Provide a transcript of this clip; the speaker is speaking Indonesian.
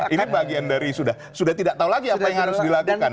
ini bagian dari sudah tidak tahu lagi apa yang harus dilakukan